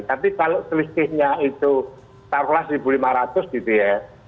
tapi kalau selisihnya itu taruhlah seribu lima ratus gitu ya